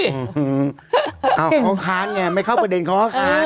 เขาค้านไงไม่เข้าประเด็นเขาค้าน